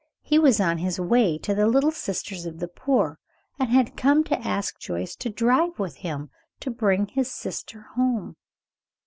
He was on his way to the Little Sisters of the Poor, and had come to ask Joyce to drive with him to bring his sister home.